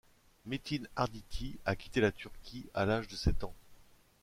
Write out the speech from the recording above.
Metin Arditi a quitté la Turquie à l’âge de sept ans.